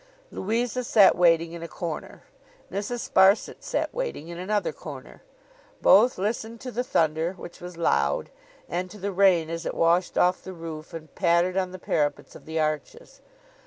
Louisa sat waiting in a corner. Mrs. Sparsit sat waiting in another corner. Both listened to the thunder, which was loud, and to the rain, as it washed off the roof, and pattered on the parapets of the arches.